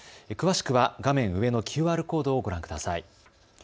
詳しくは画面上のＱＲコードをご覧ください。